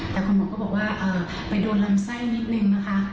แต่คุณหมอก็บอกว่าไปโดนลำไส้นิดนึงนะคะ